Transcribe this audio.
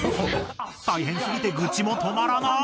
大変すぎて愚痴も止まらない！